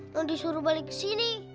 dan disuruh balik kesini